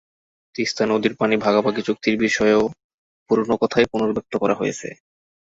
তিস্তা নদীর পানি ভাগাভাগি চুক্তির বিষয়েও পুরোনো কথাই পুনর্ব্যক্ত করা হয়েছে।